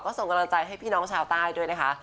ส่งกำลังใจให้พี่น้องชาวใต้ด้วยนะคะ